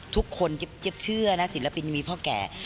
ทุกคนเจ๊บเชื่อนะศิลปินมีพ่อแก่